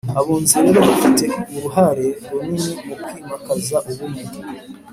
abunzi rero bafite uruhare runini mu kwimakaza ubumwe